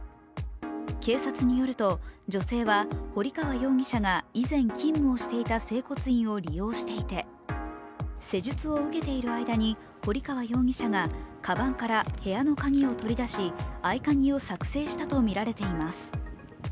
警察によると女性は、堀川容疑者が以前勤務していた整骨院を利用していて施術を受けている間堀川容疑者がかばんから部屋の鍵を取り出し合鍵を作成したとみられています。